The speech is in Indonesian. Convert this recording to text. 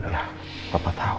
ya papa tahu